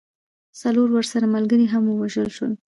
څلور ورسره ملګري هم ووژل سول.